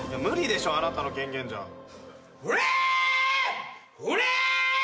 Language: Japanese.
無理でしょあなたの権限じゃ。